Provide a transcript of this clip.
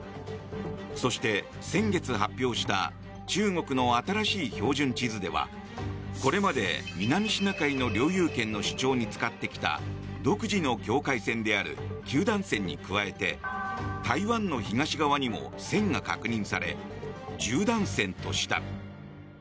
そして先月発表した中国の新しい標準地図ではこれまで南シナ海の領有権の主張に使ってきた独自の境界線である九段線に加えて台湾の東側にも線が確認され十段線とした。